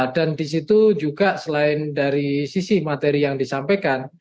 dan di situ juga selain dari sisi materi yang disampaikan